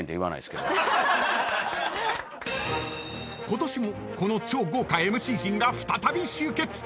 ［ことしもこの超豪華ＭＣ陣が再び集結！］